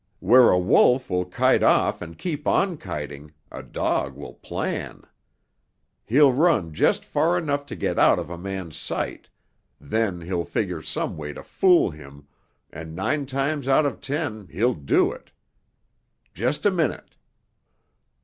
Where a wolf will kite off and keep on kiting, a dog will plan. He'll run just far enough to get out of a man's sight. Then he'll figure some way to fool him and nine times out of ten he'll do it. Just a minute."